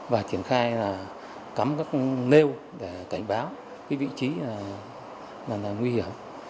và triển khai là cấm các nêu để cảnh báo cái vị trí là nguy hiểm